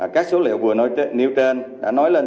các số liệu vừa nêu trên đã nói lên